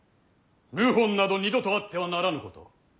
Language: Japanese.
謀反など二度とあってはならぬこと。